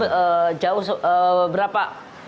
itu jauh seberapa